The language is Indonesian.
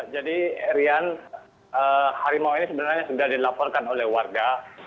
jadi rian harimau ini sebenarnya sudah dilaporkan oleh warga